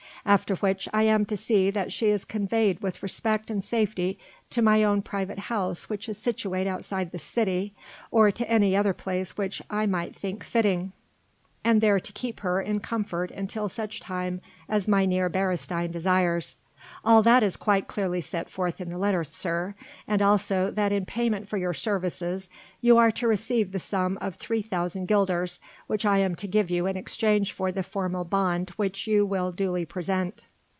After which I am to see that she is conveyed with respect and safety to my own private house which is situate outside this city, or to any other place which I might think fitting, and there to keep her in comfort until such time as Mynheer Beresteyn desires. All that is quite clearly set forth in the letter, sir, and also that in payment for your services you are to receive the sum of 3,000 guilders which I am to give you in exchange for the formal bond which you will duly present."